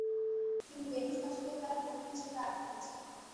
তিনি ভেনিসবাসীদের দ্বারা বন্দী হিসেবে আটক হয়েছিলেন।